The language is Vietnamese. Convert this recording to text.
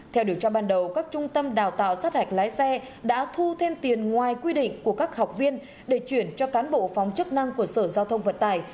theo điều tra ban đầu các trung tâm đào tạo sát hạch lái xe đã thu thêm tiền ngoài quy định của các học viên để chuyển cho cán bộ phòng chức năng của sở giao thông vận tài